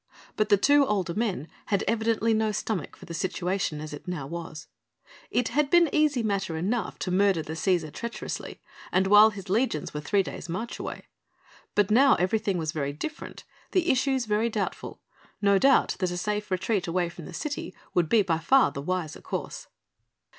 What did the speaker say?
But the two older men had evidently no stomach for the situation as it now was. It had been easy matter enough to murder the Cæsar treacherously and while his legions were three days' march away. But now everything was very different, the issues very doubtful; no doubt that a safe retreat away from the city would be by far the wiser course.